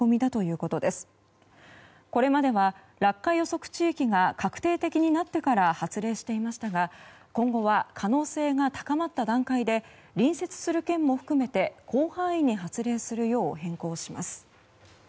これまでは落下予測地域が確定的になってから発令していましたが今後は可能性が高まった段階で隣接する県も含めて広範囲に発令するよう変更します。